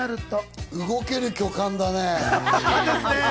動ける巨漢だね。